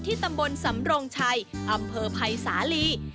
ตำบลสำรงชัยอำเภอภัยสาลี